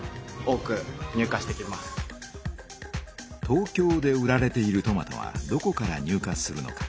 東京で売られているトマトはどこから入荷するのか。